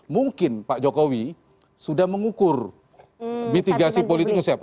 mungkin pak jokowi sudah mengukur mitigasi politiknya siapa